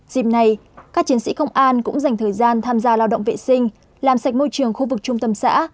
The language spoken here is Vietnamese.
dìm này các chiến sĩ công an cũng dành thời gian tham gia lao động vệ sinh làm sạch môi trường khu vực trung tâm xã